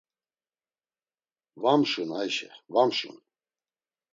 Va mşun Ayşe, va mşun.